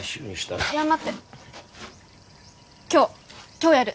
今日やる！